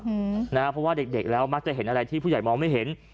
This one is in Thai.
เพราะว่าเด็กแล้วมักจะเห็นอะไรที่ผู้ใหญ่มองไม่เห็น